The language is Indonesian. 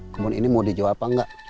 kebun ini mau dijual apa enggak